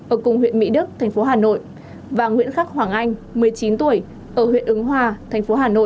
ở cùng huyện mỹ đức thành phố hà nội và nguyễn khắc hoàng anh một mươi chín tuổi ở huyện ứng hòa thành phố hà nội